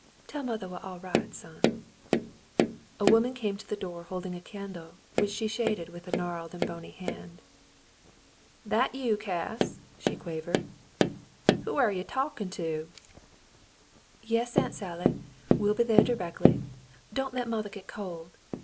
"Tell mothah we're all right, son." A woman came to the door holding a candle, which she shaded w^th a gnarled and bony hand. *'That you, Cass "?" she quavered. "Who aire ye talkin' to.^" "Yes, Aunt Sally, we'll be there directly. Don't let mothah get cold."